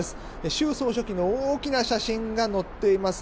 習総書記の大きな写真が載っています。